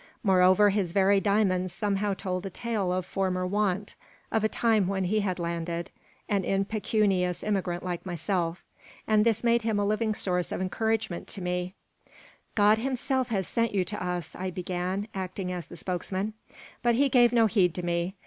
Moreover, his very diamonds somehow told a tale of former want, of a time when he had landed, an impecunious immigrant like myself; and this made him a living source of encouragement to me "God Himself has sent you to us," I began, acting as the spokesman; but he gave no heed to me.